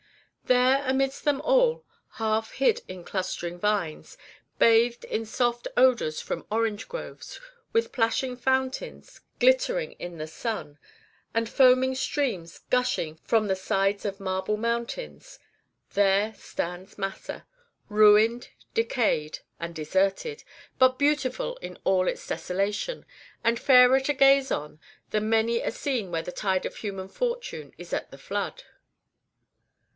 There, amidst them all, half hid in clustering vines, bathed in soft odors from orange groves, with plashing fountains glittering in the sun, and foaming streams gushing from the sides of marble mountains, there stands Massa, ruined, decayed, and deserted, but beautiful in all its desolation, and fairer to gaze on than many a scene where the tide of human fortune is at the flood.